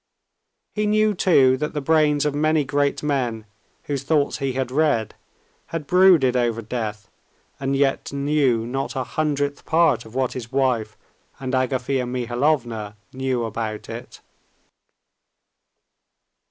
He knew too that the brains of many great men, whose thoughts he had read, had brooded over death and yet knew not a hundredth part of what his wife and Agafea Mihalovna knew about it.